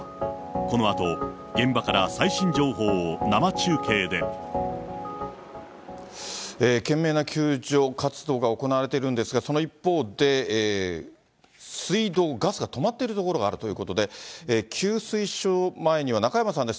このあと、現場から最新情報を生懸命な救助活動が行われているんですが、その一方で、水道、ガスが止まっている所があるということで、給水所前には中山さんです。